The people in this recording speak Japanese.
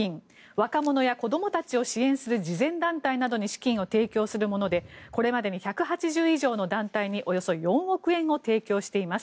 若者や子供たちを支援する慈善団体などに資金を提供するものでこれまでに１８０以上の団体におよそ４億円を提供しています。